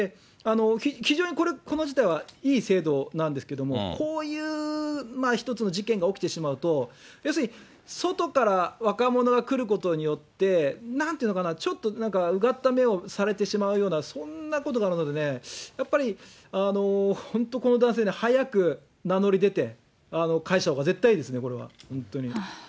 非常にこれ、これ自体はいい制度なんですけど、こういう１つの事件が起きてしまうと、要するに、外から若者が来ることによって、なんて言うのかな、ちょっとうがった目をされてしまうような、そんなことがあるのでね、やっぱり本当この男性ね、早く名乗り出て返したほうが絶対いいですね、これは。本当に。